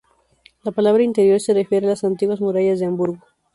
La palabra "interior" se refiere a las antiguas murallas de Hamburgo.